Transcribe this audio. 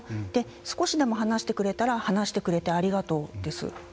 少しでも話してくれたら「話してくれてありがとう」です。